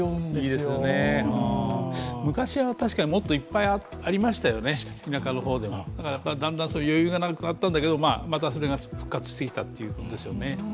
昔は確かにもっといっぱいありましたよね、田舎の方では。だんだん余裕がなくなったんだけど、またそれが復活してきたってことですよね。